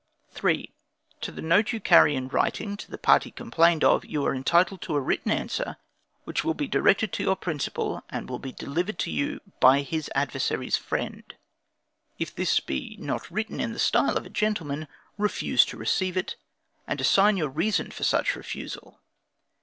3. To the note you carry in writing to the party complained of, you are entitled to a written answer, which will be directed to your principal and will be delivered to you by his adversary's friend. If this be not written in the style of a gentleman, refuse to receive it, and assign your reason for such refusal.